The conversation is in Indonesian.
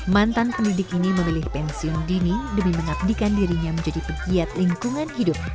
mantan pendidik ini memilih pensiun dini demi mengabdikan dirinya menjadi pegiat lingkungan hidup